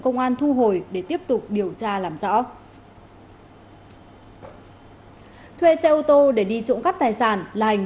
công an thu hồi để tiếp tục điều tra làm rõ thuê xe ô tô để đi trộn các tài sản là hành